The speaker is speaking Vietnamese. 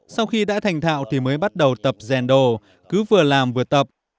sau khi đã thành thạo thì mới bắt đầu tập rèn đồ cứ vừa làm vừa tập